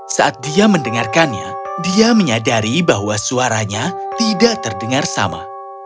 saat dia mendengarkannya dia menyadari bahwa suaranya tidak terdengar sama